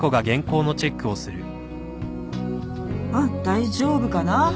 うん大丈夫かな。